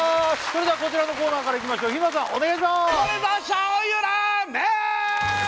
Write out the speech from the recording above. こちらのコーナーからいきましょう日村さんお願いします